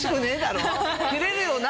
キレるよな？